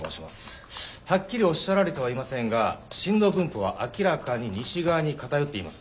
はっきりおっしゃられてはいませんが震度分布は明らかに西側に偏っています。